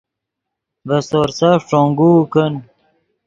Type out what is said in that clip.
ڤے سورسف ݯونگوؤ کن